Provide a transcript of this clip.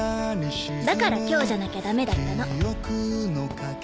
だから今日じゃなきゃダメだったの。